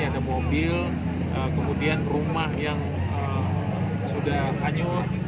ada mobil kemudian rumah yang sudah hanyut